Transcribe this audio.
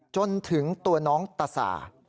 จนถึงตัวน้องตะสา